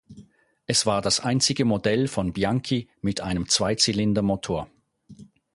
Es war das einzige Modell von Bianchi mit einem Zweizylindermotor.